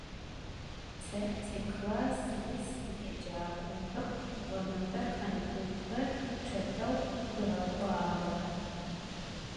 Te tiklass yis yêcak'oxem ğemefe kanikulxer çefeu dğek'uağe.